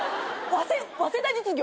わせ早稲田実業！？